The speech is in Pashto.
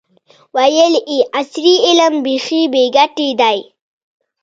ویل یې عصري علم بیخي بې ګټې دی.